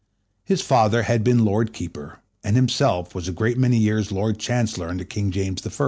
His father had been Lord Keeper, and himself was a great many years Lord Chancellor under King James I.